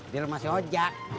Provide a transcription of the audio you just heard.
biar masih ojak